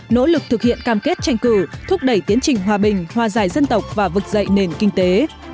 nỗ lực thực hiện cam kết tranh cử thúc đẩy tiến trình hòa bình hòa giải dân tộc và vực dậy nền kinh tế